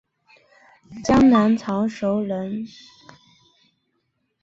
江南常熟人。